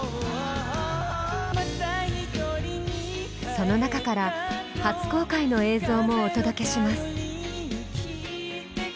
その中から初公開の映像もお届けします。